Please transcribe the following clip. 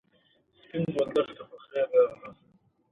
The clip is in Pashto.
د اسهال لپاره د انارو پوستکی وکاروئ